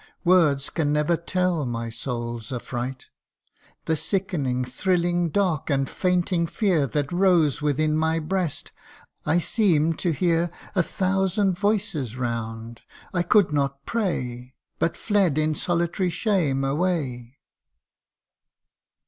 words can never tell my soul's affright ; The sickening, thrilling, dark, and fainting fear That rose within my breast : I seem'd to hear A thousand voices round ; I could not pray, But fled in solitary shame away.